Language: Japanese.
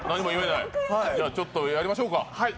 じゃあちょっとやりましょうか。